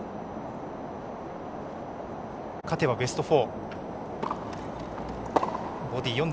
勝てばベスト４。